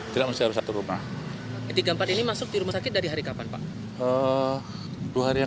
tidak apa apa tapi terserah positif